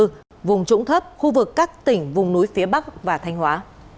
cảnh báo nguy cơ lũ quét sạt lở đất khu vực các tỉnh vùng núi phía bắc và thanh hóa